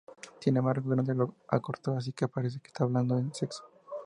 Sin embargo, Grande lo acortó, así que parece que está hablando de sexo.